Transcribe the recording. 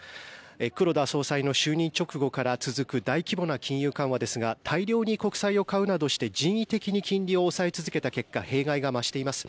黒田総裁の就任直後から続く大規模な金融緩和ですが大量に国債を買うなどして人為的に金利を下げ続けた結果弊害が増しています。